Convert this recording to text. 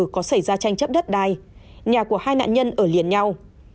có xảy ra tranh chấp đất đai nhà của hai nạn nhân ở liền nhau